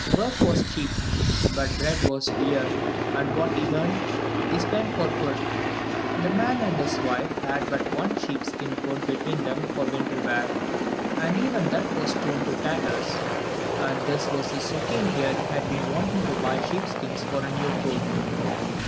Work was cheap, but bread was dear, and what he earned he spent for food. The man and his wife had but one sheepskin coat between them for winter wear, and even that was torn to tatters, and this was the second year he had been wanting to buy sheep skins for a new coat.